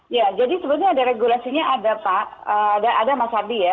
ya jadi sebetulnya ada regulasinya ada pak ada mas hadi ya